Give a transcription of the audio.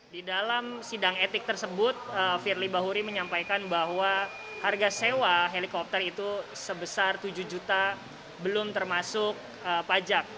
di dalam sidang etik tersebut firly bahuri menyampaikan bahwa harga sewa helikopter itu sebesar tujuh juta belum termasuk pajak